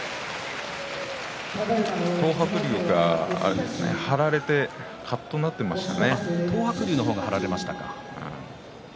東白龍が張られてかっとなっていましたね。